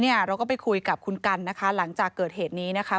เราก็ไปคุยกับคุณกันนะคะหลังจากเกิดเหตุนี้นะคะ